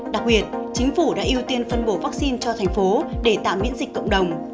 đặc biệt chính phủ đã ưu tiên phân bổ vaccine cho thành phố để tạm biễn dịch cộng đồng